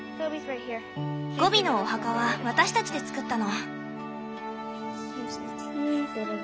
ゴビのお墓は私たちで作ったの。